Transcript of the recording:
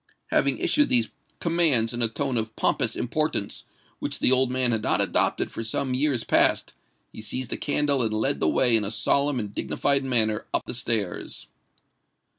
Having issued these commands in a tone of pompous importance which the old man had not adopted for some years past, he seized a candle and led the way in a solemn and dignified manner up stairs.